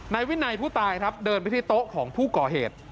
นายวินัยผู้ตายครับเดินไปที่โต๊ะของผู้ก่อเหตุ